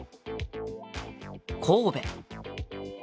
神戸。